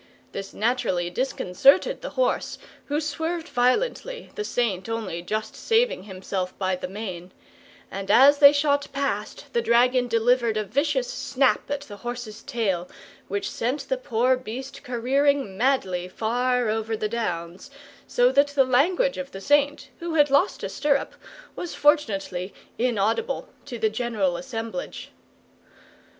This naturally disconcerted the horse, who swerved violently, the Saint only just saving himself by the mane; and as they shot past the dragon delivered a vicious snap at the horse's tail which sent the poor beast careering madly far over the Downs, so that the language of the Saint, who had lost a stirrup, was fortunately inaudible to the general assemblage.